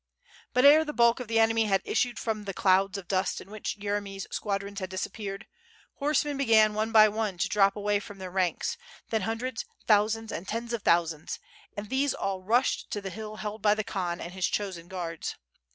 But ere the bulk of the enemy had issued from the clouds of dust in which Yeremy^s squadrons had disappeared, horse men began one by one to drop away from their ranks, then hundreds, thousands, and tens of thousands, and these all rushed to the hill held by the Khan and his chosen guards.